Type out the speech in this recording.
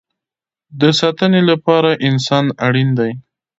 د ساتنې لپاره انسان اړین دی